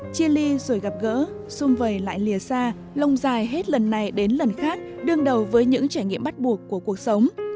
chia ly rồi gặp gỡ xung vầy lại lìa xa lâu dài hết lần này đến lần khác đương đầu với những trải nghiệm bắt buộc của cuộc sống